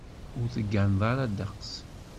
Ur tegganeḍ ara ddeqs.